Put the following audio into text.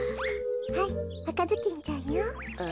はいあかずきんちゃんよ。